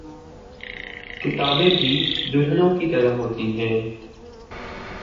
کتابیں بھی دلہنوں کی طرح ہوتی ہیں۔